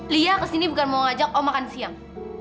lia kesini bukan mau ngajak oh makan siang